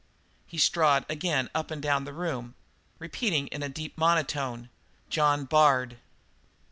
He strode again up and down the room, repeating in a deep monotone: "John Bard!"